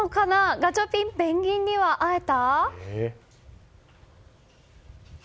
ガチャピンペンギンには会えた？